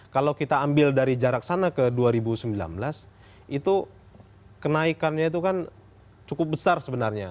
kalau kita ambil dari jarak sana ke dua ribu sembilan belas itu kenaikannya itu kan cukup besar sebenarnya